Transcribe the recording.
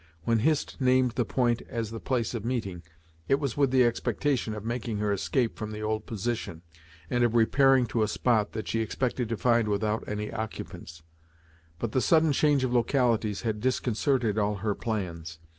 When Hist named the point as the place of meeting, it was with the expectation of making her escape from the old position, and of repairing to a spot that she expected to find without any occupants; but the sudden change of localities had disconcerted all her plans.